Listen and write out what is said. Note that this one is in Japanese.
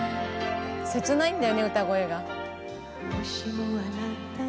切ないんだよね歌声が。